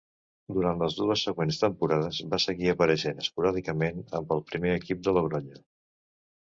Durant les dues següents temporades va seguir apareixent esporàdicament amb el primer equip de Logronyo.